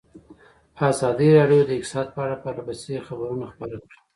ازادي راډیو د اقتصاد په اړه پرله پسې خبرونه خپاره کړي.